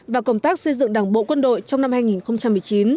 và công tác xây dựng đảng bộ quân đội trong năm hai nghìn một mươi chín